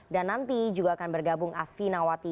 dan nanti juga akan bergabung asfi nawati